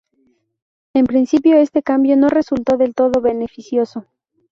En principio este cambio no resultó del todo beneficioso.